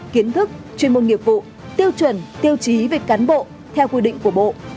kiến thức chuyên môn nghiệp vụ tiêu chuẩn tiêu chí về cán bộ theo quy định của bộ